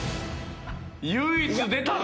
唯一出たな！